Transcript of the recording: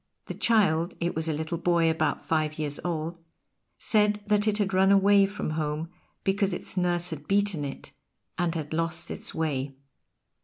The child it was a little boy about five years old said that it had run away from home because its nurse had beaten it, and had lost its way.